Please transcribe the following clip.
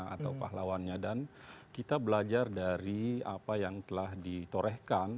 atau pahlawannya dan kita belajar dari apa yang telah ditorehkan